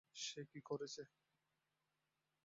সে কী করেছে?